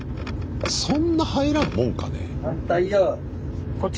そんな入らんもんかね？